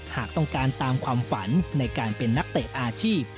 หากต้องการตามความฝันในการเป็นนักเตะอาชีพ